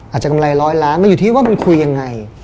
อาจจะกำไรร้อยล้านไม่อยู่ที่ว่ามันคุยยังไง